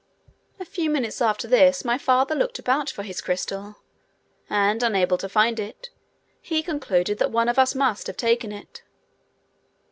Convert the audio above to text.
A few minutes after this my father looked about for his crystal, and unable to find it, he concluded that one of us must have taken it.